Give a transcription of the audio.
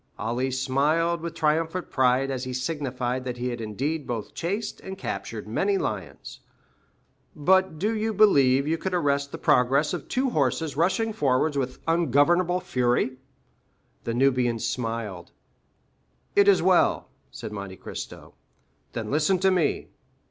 Ali smiled with triumphant pride as he signified that he had indeed both chased and captured many lions. "But do you believe you could arrest the progress of two horses rushing forwards with ungovernable fury?" The Nubian smiled. "It is well," said Monte Cristo. "Then listen to me.